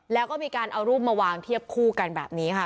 แล้วก็มีการเอารูปมาวางเทียบคู่กันแบบนี้ค่ะ